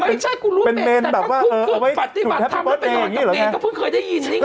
ไม่ใช่กูรู้แล้วแต่ผู้กลูกปฏิบัติทำแล้วไปนอนกับเมนก็เพิ่งเคยได้ยินนี่ไง